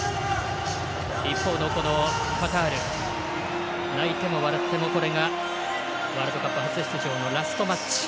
一方のカタール泣いても笑っても、これがワールドカップ初出場のラストマッチ。